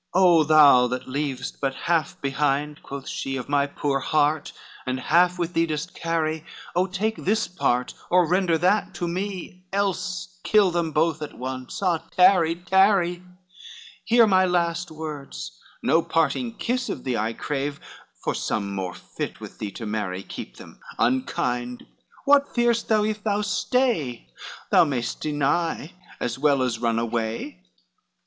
XL "Oh thou that leav'st but half behind," quoth she, "Of my poor heart, and half with thee dost carry, Oh take this part, or render that to me, Else kill them both at once, ah tarry, tarry: Hear my last words, no parting kiss of thee I crave, for some more fit with thee to marry Keep them, unkind; what fear'st thou if thou stay? Thou may'st deny, as well as run away."